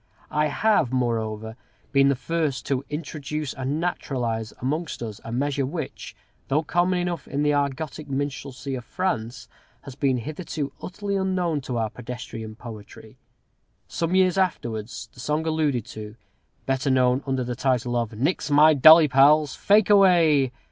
I have, moreover, been the first to introduce and naturalize amongst us a measure which, though common enough in the Argotic minstrelsy of France, has been hitherto utterly unknown to our pedestrian poetry. Some years afterwards, the song alluded to, better known under the title of "_Nix My Dolly, Pals, Fake Away!